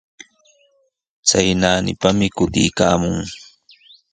Chay naanipami kutiykaamun.